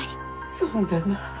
そうだな。